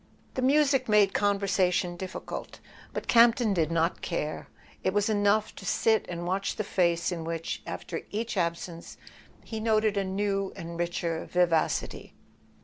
The music made conversation difficult; but Campton did not care. It was enough to sit and watch the face A SON AT THE FRONT in which, after each absence, he noted a new and richer vivacity.